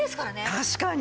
確かに。